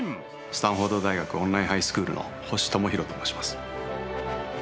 スタンフォード大学・オンラインハイスクールの星友啓と申します。